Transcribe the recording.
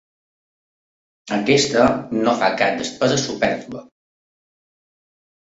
Aquesta no fa cap despesa supèrflua.